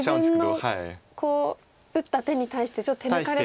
自分の打った手に対してちょっと手抜かれたので。